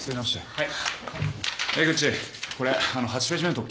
はい。